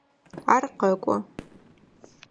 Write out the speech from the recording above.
Ар къэкӏо.